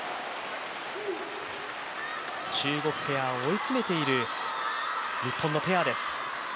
中国ペアを追い詰めている日本のペアです。